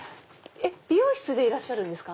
美容室でいらっしゃるんですか？